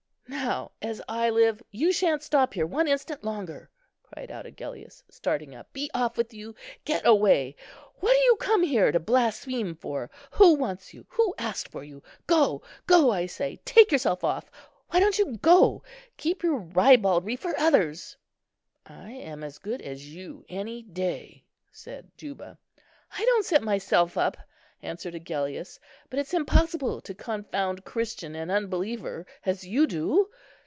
"Now, as I live, you shan't stop here one instant longer!" cried out Agellius, starting up. "Be off with you! get away! what do you come here to blaspheme for? who wants you? who asked for you? Go! go, I say! take yourself off! Why don't you go? Keep your ribaldry for others." "I am as good as you any day," said Juba. "I don't set myself up," answered Agellius, "but it's impossible to confound Christian and unbeliever as you do."